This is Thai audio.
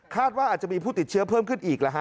ว่าอาจจะมีผู้ติดเชื้อเพิ่มขึ้นอีก